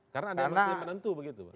karena ada yang menentu begitu pak